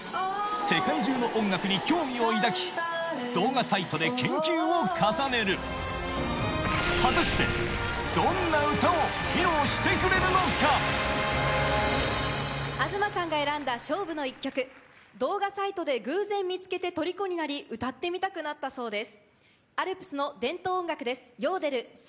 世界中の音楽に興味を抱き動画サイトで研究を重ねる果たして東さんが選んだ勝負の１曲動画サイトで偶然見つけてとりこになり歌ってみたくなったそうです。